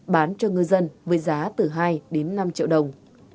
bán cho ngư dân với giá từ hai đến năm triệu đồng